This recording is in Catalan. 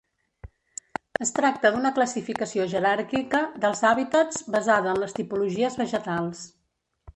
Es tracta d'una classificació jeràrquica dels hàbitats, basada en les tipologies vegetals.